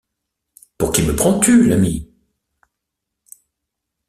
Pour qui me prends-tu, l’ami ?